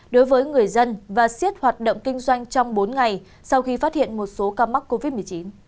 đối với người dân và siết hoạt động kinh doanh trong bốn ngày sau khi phát hiện một số ca mắc covid một mươi chín